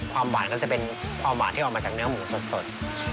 ความหวานก็จะเป็นความหวานที่ออกมาจากเนื้อหมูสด